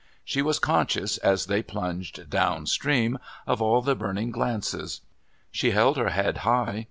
She was conscious, as they plunged down stream, of all the burning glances. She held her head high.